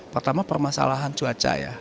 pertama permasalahan cuaca ya